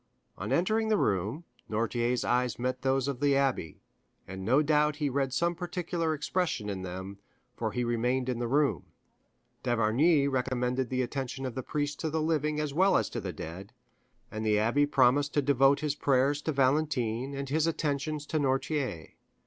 On entering the room, Noirtier's eyes met those of the abbé, and no doubt he read some particular expression in them, for he remained in the room. D'Avrigny recommended the attention of the priest to the living as well as to the dead, and the abbé promised to devote his prayers to Valentine and his attentions to Noirtier.